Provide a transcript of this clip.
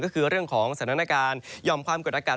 ก็คือเรื่องของสถานการณ์หย่อมความกดอากาศ